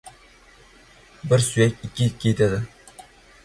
• Bir suyak ikki itga yetadi.